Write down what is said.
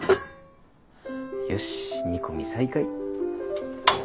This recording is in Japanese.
よし煮込み再開。